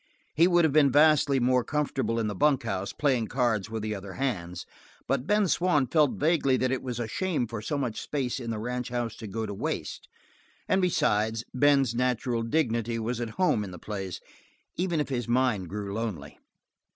He would have been vastly more comfortable in the bunkhouse playing cards with the other hands, but Ben Swann felt vaguely that it was a shame for so much space in the ranch house to go to waste, and besides, Ben's natural dignity was at home in the place even if his mind grew lonely.